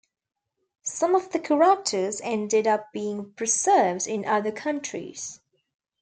Some of the characters ended up being preserved in other countries.